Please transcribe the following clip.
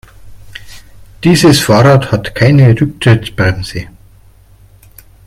Dieses Fahrrad hat keine Rücktrittbremse.